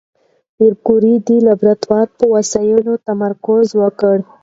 پېیر کوري د لابراتوار په وسایلو تمرکز وکړ.